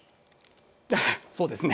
そうですね。